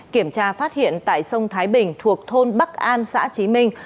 kiểm tra phát hiện tại sông thái bình thuộc thôn bắc an xã trí minh